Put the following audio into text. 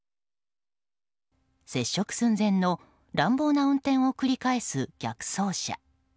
接触寸前の乱暴な運転を繰り返す逆走車。